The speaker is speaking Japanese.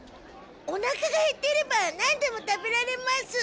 おなかがへってればなんでも食べられます。